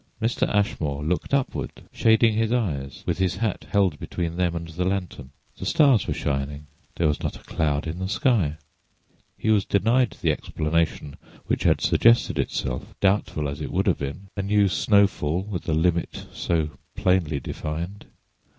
Mr. Ashmore looked upward, shading his eyes with his hat held between them and the lantern. The stars were shining; there was not a cloud in the sky; he was denied the explanation which had suggested itself, doubtful as it would have been—a new snowfall with a limit so plainly defined.